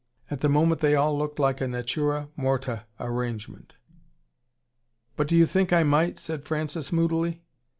At the moment, they all looked like a Natura Morta arrangement. "But do you think I might ?" said Francis moodily.